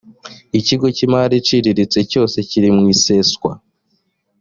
ikigo cy imari iciriritse cyose kiri mu iseswa